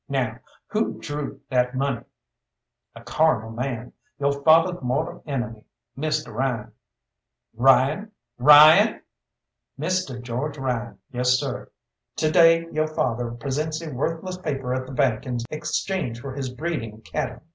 Now who drew that money?" "A carnal man yo' fatheh's mortal enemy Misteh Ryan." "Ryan! Ryan!" "Misteh George Ryan, yessir. To day yo' father presents a worthless paper at the bank in exchange for his breeding cattle.